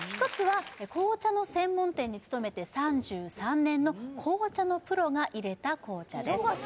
１つは紅茶の専門店に務めて３３年の紅茶のプロが淹れた紅茶です